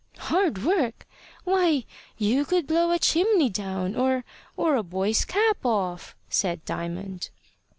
"Hard work! Why, you could blow a chimney down, or or a boy's cap off," said Diamond.